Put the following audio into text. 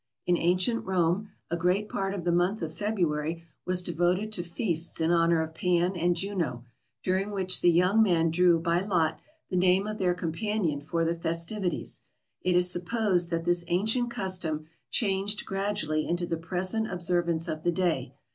In ancient Rome a great part of the month of February was devoted to feasts in honor of Pan and Juno, during which the young men drew by lot the name of their companion for the festivities. It is supposed that this ancient custom changed gradually into the present observance of the day.